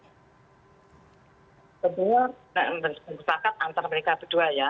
tentunya disepakati antara mereka berdua ya